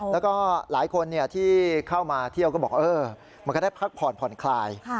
แล้วก็หลายคนที่เข้ามาเที่ยวก็บอกมันก็ได้พักผ่อนผ่อนคลาย